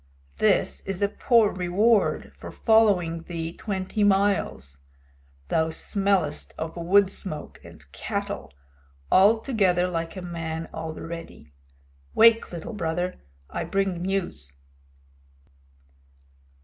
"This is a poor reward for following thee twenty miles. Thou smellest of wood smoke and cattle altogether like a man already. Wake, Little Brother; I bring news."